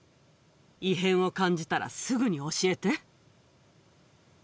異変を感じたらすぐに教えて。